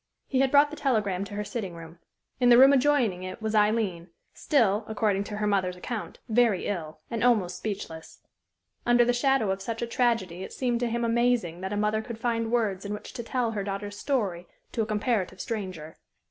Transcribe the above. He had brought the telegram to her sitting room. In the room adjoining it was Aileen, still, according to her mother's account, very ill, and almost speechless. Under the shadow of such a tragedy it seemed to him amazing that a mother could find words in which to tell her daughter's story to a comparative stranger.